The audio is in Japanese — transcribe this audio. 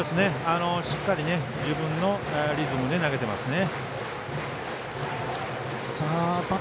しっかり自分のリズムで投げてますね。